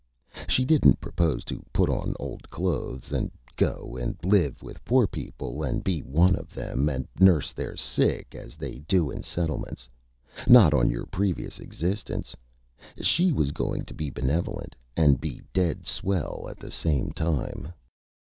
She didn't Propose to put on Old Clothes, and go and live with Poor People, and be One of Them, and nurse their Sick, as they do in Settlements. Not on Your Previous Existence! She was going to be Benevolent, and be Dead Swell at the Same Time.